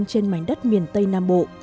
trên mảnh đất miền tây nam bộ